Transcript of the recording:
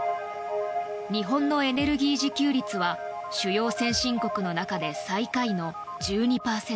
日本のエネルギー自給率は主要先進国の中で最下位の１２％。